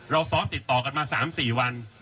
เราซ้อมติดต่อกันมา๓๔วัน